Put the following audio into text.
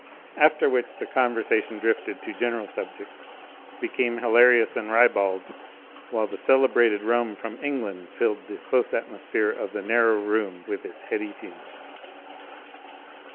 After which, the conversation drifted to general subjects, became hilarious and ribald, while the celebrated rum from England filled the close atmosphere of the narrow room with its heady fumes.